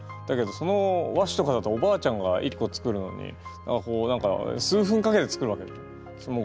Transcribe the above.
だけどその和紙とかだとおばあちゃんが１個作るのに数分かけて作るわけです。